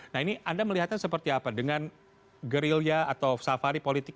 nah ini anda melihatnya seperti apa dengan gerilya atau safari politik